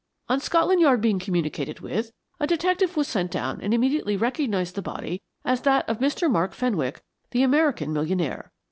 On Scotland Yard being communicated with, a detective was sent down and immediately recognised the body as that of Mr. Mark Fenwick, the American millionaire.